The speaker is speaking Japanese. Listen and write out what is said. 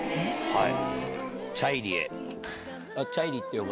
はい。